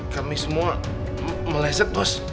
kami semua meleset bos